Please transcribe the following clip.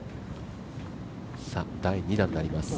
第２打になります。